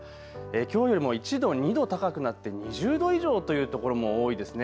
きょうよりも１度、２度高くなって２０度以上という所も多いですね。